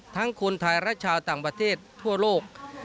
คนไทยและชาวต่างประเทศทั่วโลก